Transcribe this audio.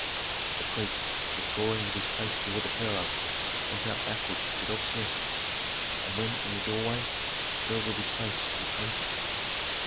The priest, withdrawing with his face toward the pharaoh, went out backward with obeisance, and when in the doorway he fell with his face on the pavement.